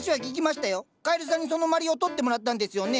カエルさんにそのまりを取ってもらったんですよね？